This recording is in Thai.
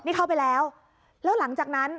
นี่เข้าไปแล้วแล้วหลังจากนั้น